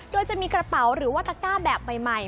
โดยจะมีกระเป๋าหรือว่าตะก้าแบบใหม่